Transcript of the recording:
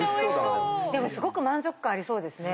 すごく満足感ありそうですね。